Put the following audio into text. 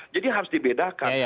jadi harus dibedakan